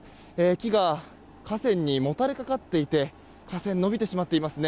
木が架線にもたれかかっていて架線、伸びてしまっていますね。